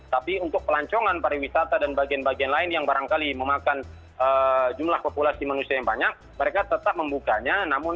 tapi untuk pelancongan pariwisata dan bagian bagian lain yang barangkali memakan jumlah populasi manusia yang banyak mereka tetap membukanya